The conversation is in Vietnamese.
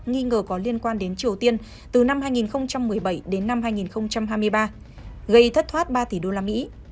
nghi ngờ có liên quan đến triều tiên từ năm hai nghìn một mươi bảy đến năm hai nghìn hai mươi ba gây thất thoát ba tỷ đô la mỹ